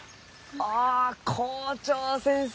ああ校長先生！